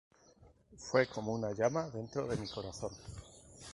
Fue como una llama dentro de mi corazón.